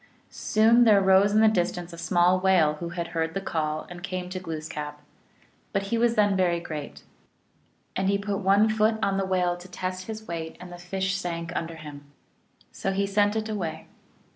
1 Soon there rose in the distance a small whale, who had heard the call, and came to Glooskap ; but he was then very great, and he put one foot on the whale to test his weight, and the fish sank under him. So he sent it away.